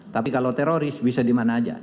tapi kalau teroris bisa di mana aja